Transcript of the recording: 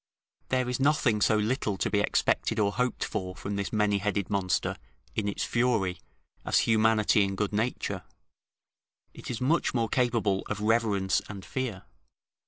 There is nothing so little to be expected or hoped for from this many headed monster, in its fury, as humanity and good nature; it is much more capable of reverence and fear.